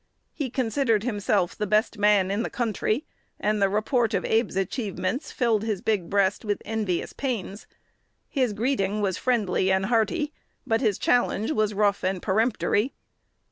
He considered himself "the best man" in the country, and the report of Abe's achievements filled his big breast with envious pains. His greeting was friendly and hearty, but his challenge was rough and peremptory.